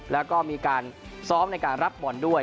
แล้วก็มีการซ้อมในการรับบอลด้วย